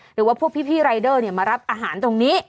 หรือว่าพวกพี่รายเดอร์มารับอาหารตรงนี้